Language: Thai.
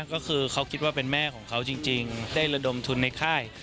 ก็คือเขาคิดว่าเป็นแม่ของเขาจริงได้ระดมทุนในค่าย